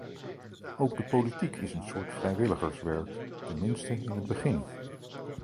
Ook de politiek is een soort vrijwilligerswerk, tenminste in het begin.